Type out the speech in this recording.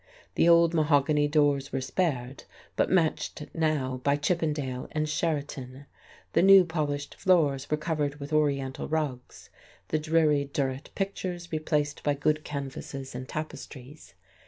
The old mahogany doors were spared, but matched now by Chippendale and Sheraton; the new, polished floors were covered with Oriental rugs, the dreary Durrett pictures replaced by good canvases and tapestries.